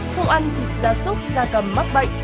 không ăn thịt gia súc gia cầm mắc bệnh